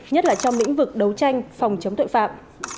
nhất là trong lĩnh vực đấu tranh phòng chống tội phạm